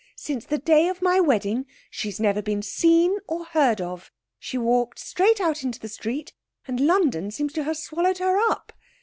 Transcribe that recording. Since the day of my wedding she's never been seen or heard of. She walked straight out into the street, and London seems to have swallowed her up.